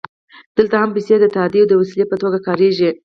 دلته هم پیسې د تادیې د وسیلې په توګه کارېږي